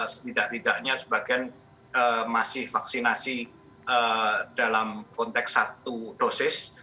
setidak tidaknya sebagian masih vaksinasi dalam konteks satu dosis